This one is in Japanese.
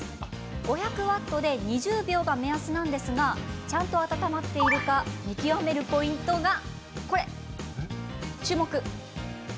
５００ワットで２０秒が目安なんですがちゃんと温まっているか見極めるポイントがこれ、注目。